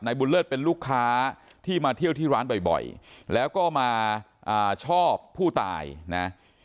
บุญเลิศเป็นลูกค้าที่มาเที่ยวที่ร้านบ่อยแล้วก็มาชอบผู้ตายนะ